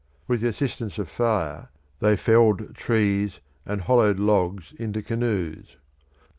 With the assistance of fire they felled trees and hollowed logs into canoes.